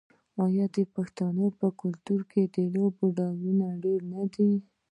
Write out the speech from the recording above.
آیا د پښتنو په کلتور کې د لوبو ډولونه ډیر نه دي؟